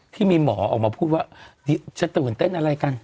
ที่มีหมอออกมาพูดว่าจะตื่นเต้นอะไรกัน